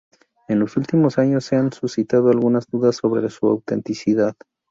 En los últimos años se han suscitado algunas dudas sobre su autenticidad.